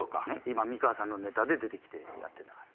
今美川さんのネタで出てきてやってるんだから。